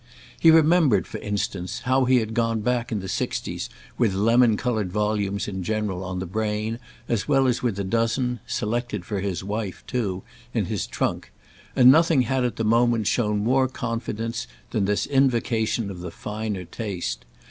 He remembered for instance how he had gone back in the sixties with lemon coloured volumes in general on the brain as well as with a dozen—selected for his wife too—in his trunk; and nothing had at the moment shown more confidence than this invocation of the finer taste.